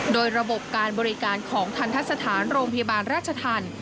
โดยระบบการบริการของทันทะสถานโรงพยาบาลราชธรรม